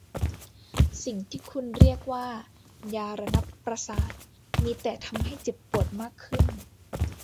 สิ่งที่คุณเรียกว่ายาระงับประสาทมีแต่ทำให้เจ็บปวดมากขึ้น